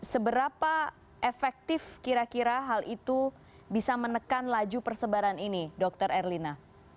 seberapa efektif kira kira hal itu bisa menekan laju persebaran ini dokter erlina